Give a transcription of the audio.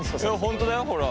本当だよほら。